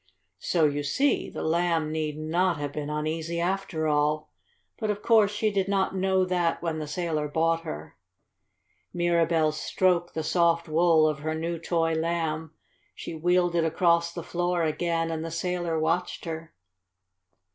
So you see the Lamb need not have been uneasy after all. But of course she did not know that when the sailor bought her. Mirabell stroked the soft wool of her new toy Lamb. She wheeled it across the floor again, and the sailor watched her.